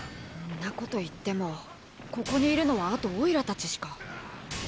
んなこと言ってもここにいるのはあとオイラたちしか。